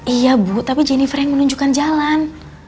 iya bu tapi jennifer yang menunjukkan jalan